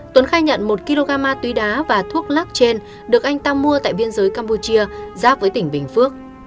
tuấn khai nhận một kg tùy đá và thuốc lắc trên được anh ta mua tại biên giới campuchia giáp với tỉnh bình phước